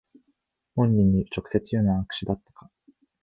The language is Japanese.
本人に直接言うのは悪手だったか